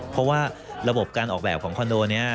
เพราะว่าระบบการออกแบบของคอนโดนี้